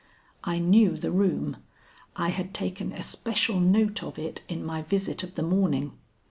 I knew the room. I had taken especial note of it in my visit of the morning.